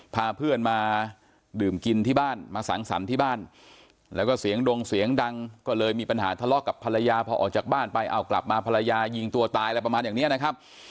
พาเพื่อนมาดื่มกินที่บ้านมาสังสรรค์ที่บ้านแล้วก็เสียงดงเสียงดังก็เลยมีปัญหาทะเลาะกับภรรยาพอออกจากบ้านไปเอากลับมาภรรยายิงตัวตายอะไรประมาณอย่างนี้นะครับ